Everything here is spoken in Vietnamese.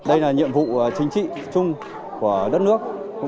đây là nhiệm vụ chính trị chung của đất nước